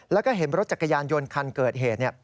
แล้วก็เห็นรถจักรยานยนต์คันเกิดเหตุ